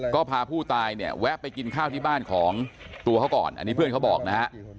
ก็พาผู้ตายเนี่ยแวะไปกินข้าวที่บ้านของตัวเขาก่อนอันนี้เพื่อนเขาบอกนะฮะ